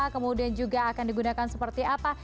kemudian juga akan digunakan seperti apa